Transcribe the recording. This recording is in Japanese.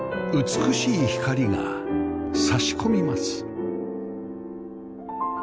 美しい光が差し込みます